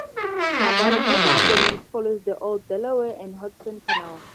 About a quarter of the route follows the old Delaware and Hudson Canal.